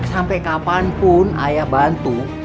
sampai kapanpun ayah bantu